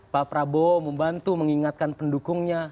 pak prabowo membantu mengingatkan pendukungnya